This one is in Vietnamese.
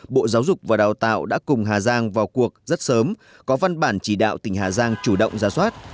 bộ giáo dục và đào tạo đã cùng hà giang vào cuộc rất sớm có văn bản chỉ đạo tỉnh hà giang chủ động ra soát